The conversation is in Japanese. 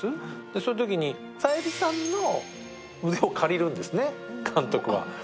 そういうときさゆりさんの腕をかりるんですね監督は。